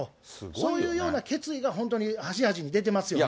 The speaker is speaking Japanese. そういうような決意が、本当にはじはじに出てますよね。